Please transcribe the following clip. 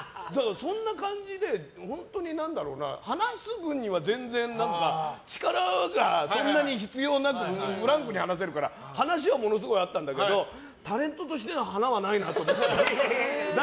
そんな感じで、本当に話す分には全然力がそんなに必要なくフランクに話せるから話はものすごい合ったんだけどタレントとしての華はないかと思って。